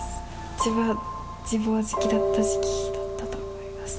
一番自暴自棄だった時期だったと思います。